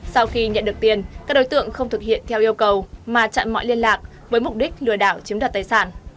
sau khi nhận được tiền các đối tượng không thực hiện theo yêu cầu mà chặn mọi liên lạc với mục đích lừa đảo chiếm đặt tài sản